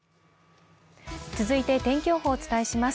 続いて天気予報をお伝えします。